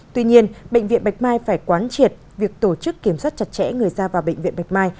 tuy nhiên bệnh viện bạch mai phải quán triệt việc tổ chức kiểm soát chặt chẽ người ra vào bệnh viện bạch mai